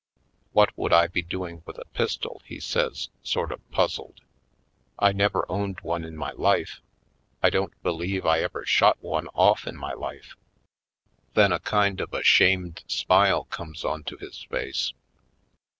"What would I be doing with a pistol?" he says, sort of puzzled. "I never owned one in my life — I don't believe I ever shot one off in my life." Then a kind of a shamed smile comes onto his face.